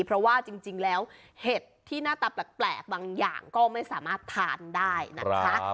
เพราะว่าจริงแล้วเห็ดที่หน้าตาแปลกบางอย่างก็ไม่สามารถทานได้นะคะ